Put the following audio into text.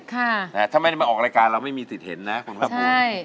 ค่ะถ้าไม่มาออกรายการเราไม่มีสิทธิ์เห็นนะคุณเพิ่มพูน